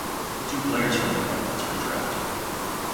Two players from the conference were drafted.